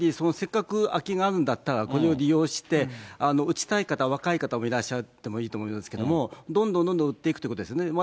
せっかく空きがあるんだったら、これを利用して、打ちたい方、若い方いらっしゃってもいいと思いますけども、どんどんどんどん打っていくということですね。